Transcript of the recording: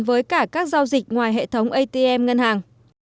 với cả các giao dịch ngoài hệ thống atm ngân hàng